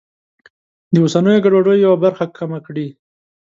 د اوسنیو ګډوډیو یوه برخه کمه کړي.